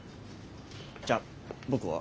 じゃあ僕は。